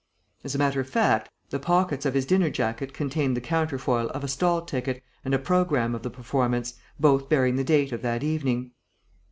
As a matter of fact, the pockets of his dinner jacket contained the counterfoil of a stall ticket and a programme of the performance, both bearing the date of that evening.